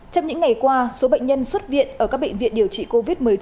trong những ngày qua số bệnh nhân xuất viện ở các bệnh viện điều trị covid một mươi chín